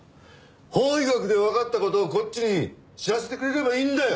法医学でわかった事をこっちに知らせてくれればいいんだよ！